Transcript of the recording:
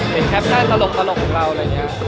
นี่แคปเซ็นต์ตลกของเราอะไรเงี้ย